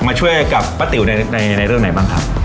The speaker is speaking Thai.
มาช่วยกับป้าติ๋วในเรื่องไหนบ้างครับ